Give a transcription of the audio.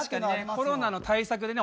コロナの対策でね